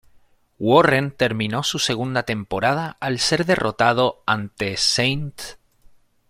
Warren terminó su segunda temporada al ser derrotado ante St.